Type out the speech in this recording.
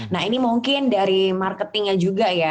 nah ini mungkin dari marketingnya juga ya